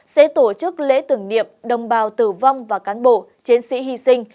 sẽ tổ chức lễ tưởng niệm đồng bào tử vong và cán bộ chiến sĩ hy sinh